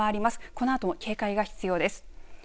このあとも警戒が必要です。